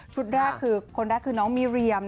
ชุดแรกคือน้องมีเรียม